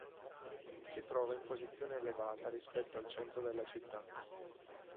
Si trova in posizione elevata rispetto al centro della città.